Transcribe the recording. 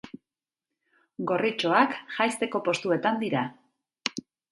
Gorritxoak jaisteko postuetan dira.